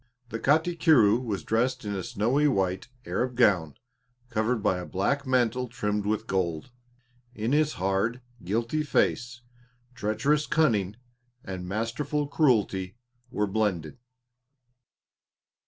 The Katikiro was dressed in a snowy white Arab gown covered by a black mantle trimmed with gold. In his hard, guilty face treacherous cunning and masterful cruelty were blended.